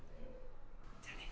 じゃあね。